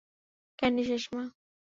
Candy শেষ, মা।